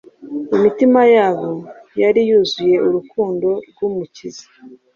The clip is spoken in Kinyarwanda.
Imitima yabo yari yuzuye urukundo rw’Umukiza,